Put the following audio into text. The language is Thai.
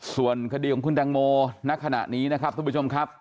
ส่วนคดีของคุณแตงโมณขณะนี้นะครับทุกผู้ชมครับ